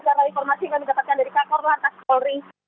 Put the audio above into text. karena informasi yang didapatkan dari kakor lantas polri